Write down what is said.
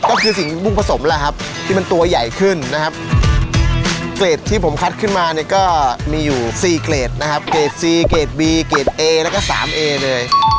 ก็คือสิ่งมุ่งผสมแล้วครับที่มันตัวใหญ่ขึ้นนะครับเกรดที่ผมคัดขึ้นมาเนี่ยก็มีอยู่๔เกรดนะครับเกรดซีเกรดบีเกรดเอแล้วก็สามเอเลย